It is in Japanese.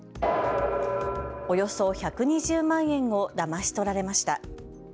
およそ１２０万円をだまし取られました。